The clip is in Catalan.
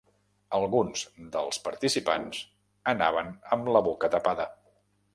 Alguns dels participants anaven amb la boca tapada.